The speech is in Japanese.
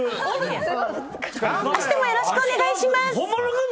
明日もよろしくお願いします！